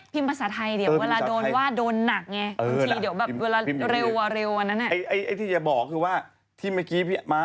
พิมพ์ศาลอังกฤษอ่านได้